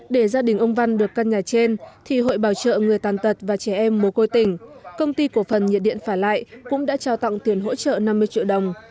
để gia đình ông văn được căn nhà trên thì hội bảo trợ người tàn tật và trẻ em mồ côi tỉnh công ty cổ phần nhiệt điện phả lại cũng đã trao tặng tiền hỗ trợ năm mươi triệu đồng